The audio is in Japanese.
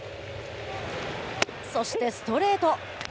そしてストレート。